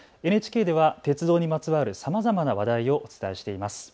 ＮＨＫでは鉄道にまつわるさまざまな話題をお伝えしています。